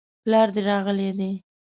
پلار دي راغلی دی؟